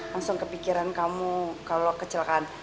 langsung kepikiran kamu kalo kecelakaan